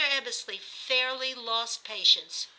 Ebbesley fairly lost patience.